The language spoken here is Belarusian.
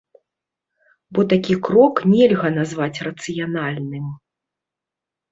Бо такі крок нельга назваць рацыянальным.